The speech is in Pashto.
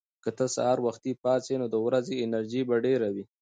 که ته سهار وختي پاڅې، نو د ورځې انرژي به ډېره وي.